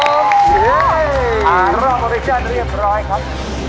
รอบโอภิกันเรียบร้อยครับ